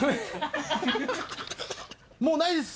もうないです！